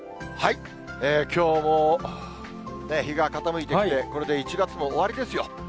きょうも日が傾いてきて、これで１月も終わりですよ。